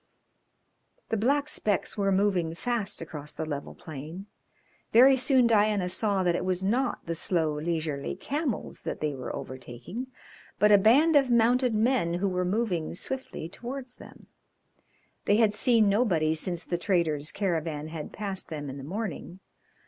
The black specks were moving fast across the level plain. Very soon Diana saw that it was not the slow, leisurely camels that they were overtaking, but a band of mounted men who were moving swiftly towards them. They had seen nobody since the traders' caravan had passed them in the morning.